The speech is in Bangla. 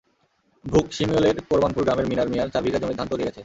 ভূকশিমইলের কোরবানপুর গ্রামের মিনার মিয়ার চার বিঘা জমির ধান তলিয়ে গেছে।